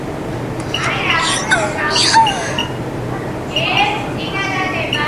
მეტალურგები, რომლებიც ლითონებზე მუშაობენ, სხვადასხვა თვისებების მქონე მრავალი სახის შენადნობებს აწარმოებენ.